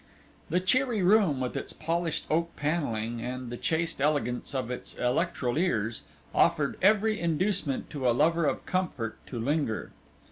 The cheery room, with its polished oak panelling and the chaste elegance of its electroliers, offered every inducement to a lover of comfort to linger.